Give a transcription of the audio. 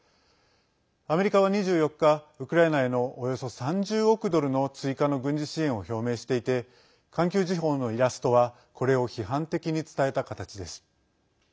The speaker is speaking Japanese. アメリカは２４日ウクライナへのおよそ３０億ドルの追加の軍事支援を表明していて環球時報のイラストはこれを批判的に伝えた形です。